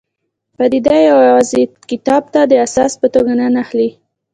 پدیده پوه یوازې کتاب ته د اساس په توګه نه نښلي.